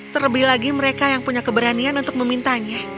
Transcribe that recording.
terlebih lagi mereka yang punya keberanian untuk memintanya